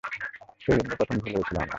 সেজন্যই প্রথমে ভুল হয়েছিল আমার।